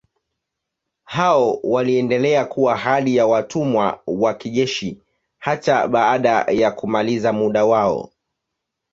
Hao waliendelea kuwa hali ya watumwa wa kijeshi hata baada ya kumaliza muda wao.